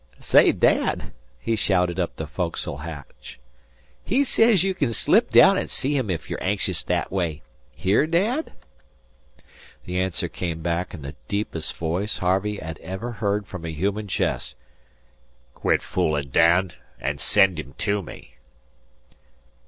"Say, Dad!" he shouted up the foc'sle hatch, "he says you kin slip down an' see him ef you're anxious that way. 'Hear, Dad?" The answer came back in the deepest voice Harvey had ever heard from a human chest: "Quit foolin', Dan, and send him to me."